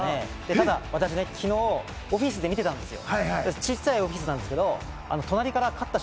ただ私、昨日オフィスで見てたんですよ。